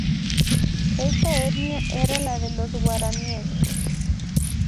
Esta etnia era la de los guaraníes.